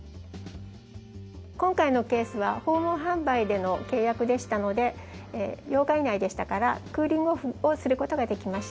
今回のケースは訪問販売での契約でしたので８日以内でしたからクーリング・オフをする事ができました。